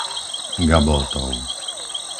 Gaboltov